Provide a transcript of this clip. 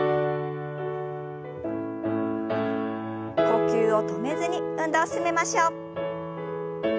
呼吸を止めずに運動を進めましょう。